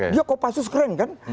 dia kopassus keren kan